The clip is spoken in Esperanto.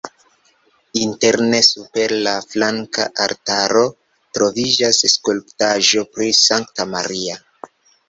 Interne super la flanka altaro troviĝas skulptaĵo pri Sankta Maria.